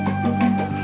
atas kisah jadi